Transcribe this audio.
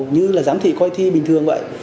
như là giám thị coi thi bình thường vậy